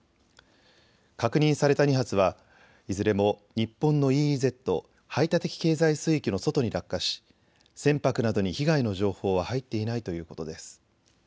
確認された２発はいずれも日本のＥＥＺ・排他的経済水域の外に落下し船舶などに被害の情報は入っていないということです。